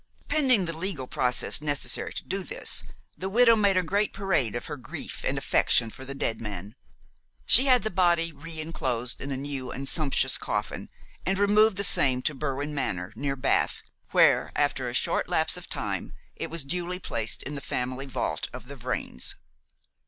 Pending the legal process necessary to do this, the widow made a great parade of her grief and affection for the dead man. She had the body re enclosed in a new and sumptuous coffin, and removed the same to Berwin Manor, near Bath, where, after a short lapse of time, it was duly placed in the family vault of the Vrains.